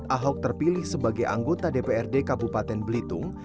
ahok terpilih sebagai anggota dprd kabupaten belitung